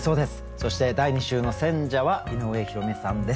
そして第２週の選者は井上弘美さんです。